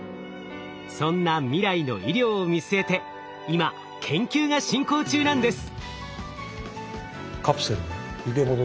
そんな未来の医療を見据えて今研究が進行中なんです！